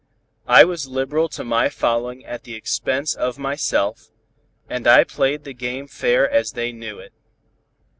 I was liberal to my following at the expense of myself, and I played the game fair as they knew it.